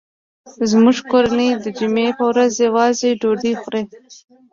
زموږ کورنۍ د جمعې په ورځ یو ځای ډوډۍ خوري